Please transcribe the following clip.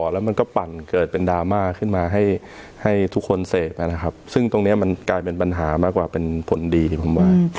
แล้วมันก็ปั่นเกิดเป็นดราม่าขึ้นมาให้ทุกคนเสพนะครับซึ่งตรงนี้มันกลายเป็นปัญหามากกว่าเป็นผลดีที่ผมว่า